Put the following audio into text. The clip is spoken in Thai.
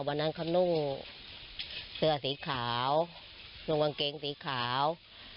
วันนั้นเขานุ่งเสื้อสีขาวนุ่งกางเกงสีขาว